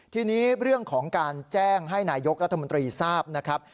ทีนี้เรื่องของการแจ้งให้นายกรัฐมนตรีทราบนะครับ